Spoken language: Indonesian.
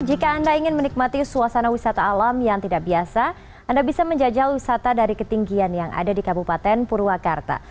jika anda ingin menikmati suasana wisata alam yang tidak biasa anda bisa menjajal wisata dari ketinggian yang ada di kabupaten purwakarta